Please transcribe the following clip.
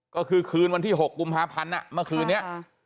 ก็คือคืนวันที่๖กุมภาพันธ์เมื่อคืนนี้